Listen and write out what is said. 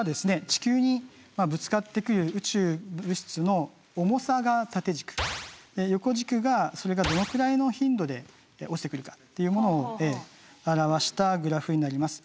地球にぶつかってくる宇宙物質の重さが縦軸横軸がそれがどのくらいの頻度で落ちてくるかっていうものを表したグラフになります。